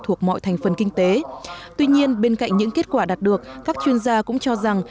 thuộc mọi thành phần kinh tế tuy nhiên bên cạnh những kết quả đạt được các chuyên gia cũng cho rằng